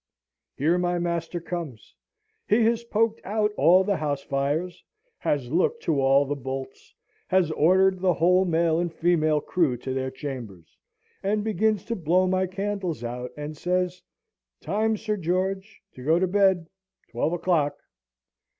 Here my master comes; he has poked out all the house fires, has looked to all the bolts, has ordered the whole male and female crew to their chambers; and begins to blow my candles out, and says, "Time, Sir George, to go to bed! Twelve o'clock!"